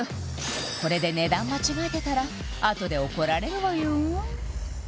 これで値段間違えてたらあとで怒られるわよ